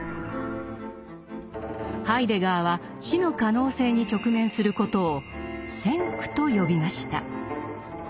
ハイデガーは死の可能性に直面することを「先駆」と呼びました。